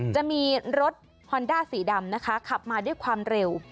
จะมีรถฮอนด้าสีดำนะคะขับมาด้วยความเร็ว